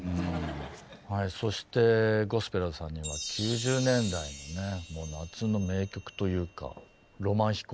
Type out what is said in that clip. はいそしてゴスペラーズさんには９０年代の夏の名曲というか「浪漫飛行」